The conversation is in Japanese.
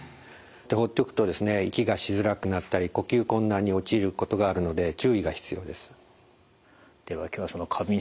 放っておくと息がしづらくなったり呼吸困難に陥ることがあるので注意が必要です。